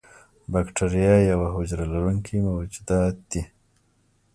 بکتیریا یوه حجره لرونکي موجودات دي.